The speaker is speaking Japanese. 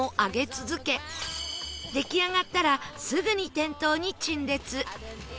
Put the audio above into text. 出来上がったらすぐに店頭に陳列